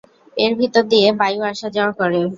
এর ভেতর দিয়ে বায়ু আসা-যাওয়া করে।